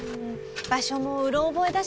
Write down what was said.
場所もうろ覚えだしね。